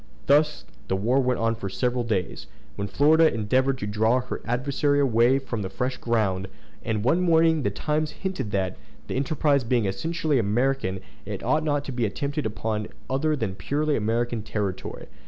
Thus the war went on for several days, when Florida endeavored to draw her adversary away on to fresh ground; and one morning the Times hinted that, the enterprise being essentially American, it ought not to be attempted upon other than purely American territory.